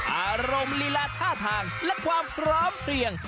อารมณ์ลีลาท่าทางและความพร้อมเพลียง